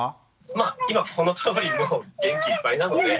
まあ今このとおりもう元気いっぱいなので。